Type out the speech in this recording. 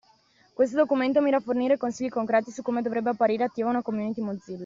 Questo documento mira a fornire consigli concreti su come dovrebbe apparire attiva una community Mozilla.